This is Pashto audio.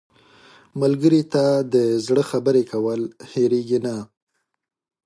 ملګری ته د زړه خبرې کول هېرېږي نه